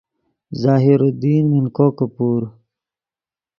ظاہر الدین من کوکے پور